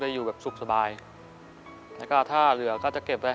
เวลาย่ามากบางทีก็จะพาเครื่องขีดยาตามมา